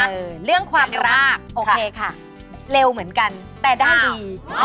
เรื่องความรักโอเคค่ะเร็วเหมือนกันแต่ได้ดี